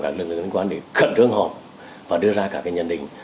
các lực lượng liên quan để khẩn trương họp và đưa ra các nhận định